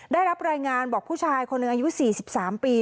ได้รับรายงานบอกผู้ชายคนหนึ่งอายุ๔๓ปี